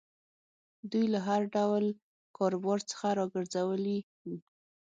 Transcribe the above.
دوی له هر ډول کاروبار څخه را ګرځولي وو.